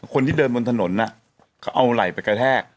คนที่เดินบนถนนเขาเอาไหล่ไปกระแทก